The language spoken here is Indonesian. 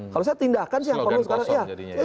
kalau saya tindakan sih yang perlu sekarang